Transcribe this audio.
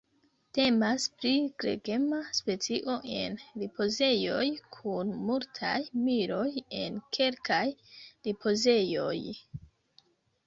Temas pri gregema specio en ripozejoj kun multaj miloj en kelkaj ripozejoj.